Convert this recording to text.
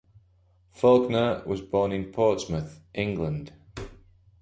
Faulkner was born in Portsmouth, England.